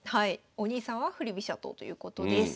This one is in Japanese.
お兄さんは振り飛車党ということです。